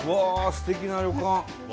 すてきな旅館。